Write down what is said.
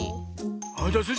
じゃあスイ